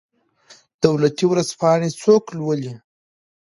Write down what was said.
دولتي ورځپاڼې څوک لوالي؟